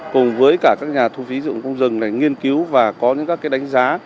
cùng với cả các nhà thu phí dựng không dừng để nghiên cứu và có những các cái đánh giá